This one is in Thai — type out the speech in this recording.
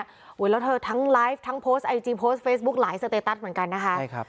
โอ้โหแล้วเธอทั้งไลฟ์ทั้งโพสต์ไอจีโพสต์เฟซบุ๊คหลายสเตตัสเหมือนกันนะคะใช่ครับ